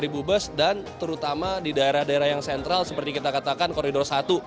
dua ribu bus dan terutama di daerah daerah yang sentral seperti kita katakan koridor satu